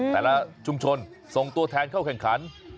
แต่ละชุมชนส่งตัวแทนเข้าแข่งขัน